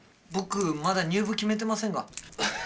僕まだ入部決めてませんが。